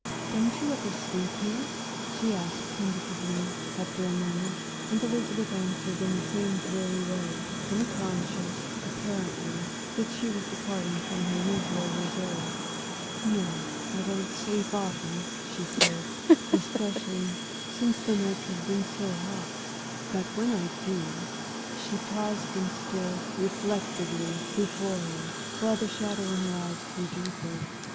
"Don't you ever sleep here?" she asked tentatively after a moment, and Elizabeth answered in the same dreary way, unconscious, apparently, that she was departing from her usual reserve. "No, I don't sleep often," she said, "especially since the nights have been so hot. But when I do" she paused and stared reflectively before her, while the shadow in her eyes grew deeper.